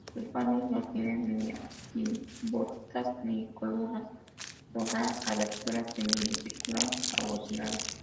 Sus vanos no tienen ni arquivoltas ni columnas, solo una abertura semicircular abocinada.